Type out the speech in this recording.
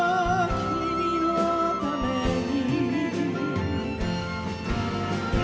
僕のために」